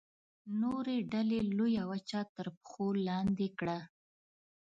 نورې ډلې لویه وچه تر پښو لاندې کړه.